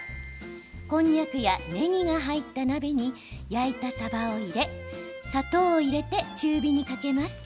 こんにゃくや、ねぎが入った鍋に焼いたさばを入れ砂糖を入れて中火にかけます。